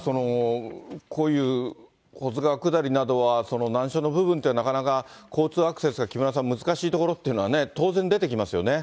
こういう保津川下りなどは、難所の部分ってなかなか交通アクセスが、木村さん、難しいところっていうのはね、当然出てきますよね。